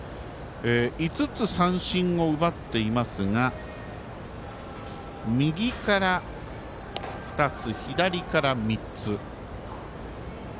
５つ三振を奪っていますが右から２つ、左から３つ。